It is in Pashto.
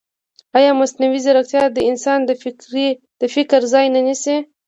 ایا مصنوعي ځیرکتیا د انسان د فکر ځای نه نیسي؟